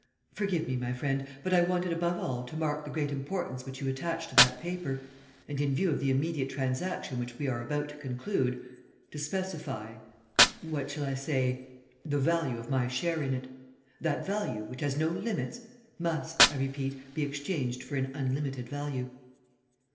"Forgive me, my friend, but I wanted above all to mark the great importance which you attach to that paper and, in view of the immediate transaction which we are about to conclude, to specify what shall I say? the value of my share in it. That value, which has no limits, must, I repeat, be exchanged for an unlimited value."